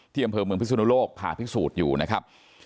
อำเภอเมืองพิศนุโลกผ่าพิสูจน์อยู่นะครับ